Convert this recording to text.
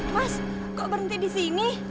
mas kok berhenti disini